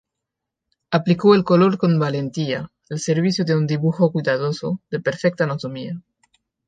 Aplicó el color con valentía, al servicio de un dibujo cuidadoso, de perfecta anatomía.